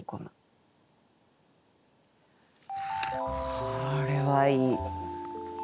これはいい。